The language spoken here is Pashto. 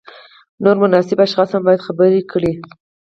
نور مناسب اشخاص هم باید خبر کړي.